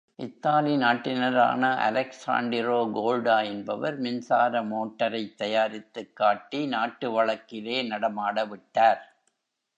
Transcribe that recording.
Italy நாட்டினரான Alessandro கோல்டா என்பவர், மின்சார மோட்டரைத் தயாரித்துக் காட்டி நாட்டு வழக்கிலே நடமாடவிட்டார்!